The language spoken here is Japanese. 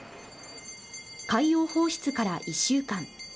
海洋放出から１週間。